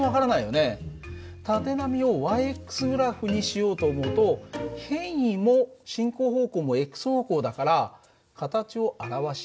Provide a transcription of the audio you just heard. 縦波を−グラフにしようと思うと変位も進行方向も方向だから形を表しにくい。